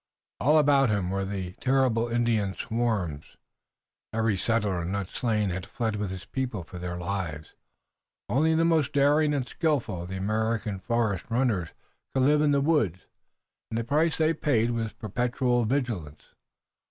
All about him were the terrible Indian swarms. Every settler not slain had fled with his people for their lives. Only the most daring and skillful of the American forest runners could live in the woods, and the price they paid was perpetual vigilance.